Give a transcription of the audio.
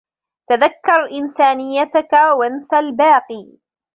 تذكّر إنسانيّتك و انس الباقي.